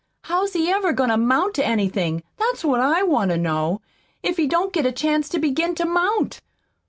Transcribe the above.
"How's he ever goin' to 'mount to anything that's what I want to know if he don't get a chance to begin to 'mount?